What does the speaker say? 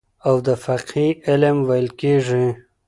او د فقهي علم ويل کېږي.